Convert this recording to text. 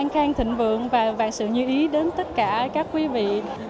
khang thịnh vượng và sự như ý đến tất cả các quý vị